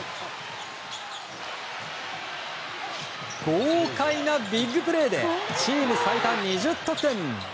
豪快なビッグプレーでチーム最多２０得点。